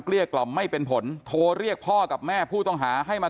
เรียกกล่อมไม่เป็นผลโทรเรียกพ่อกับแม่ผู้ต้องหาให้มา